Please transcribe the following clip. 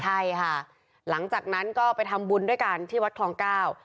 ใช่ค่ะหลังจากนั้นก็ไปทำบุญด้วยกันที่วัดคลองเก้า